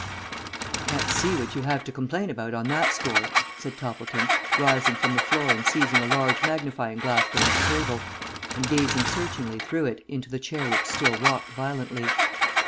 "I can't see what you have to complain about on that score," said Toppleton, rising from the floor and seizing a large magnifying glass from his table and gazing searchingly through it into the chair which still rocked violently.